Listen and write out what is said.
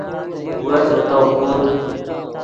وس ڤے تو خوت